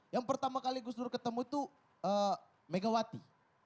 yang pertama kali gus dur ketemu itu megawati